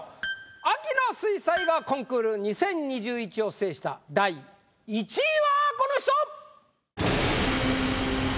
秋の水彩画コンクール２０２１を制した第１位はこの人！